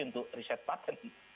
untuk reset patent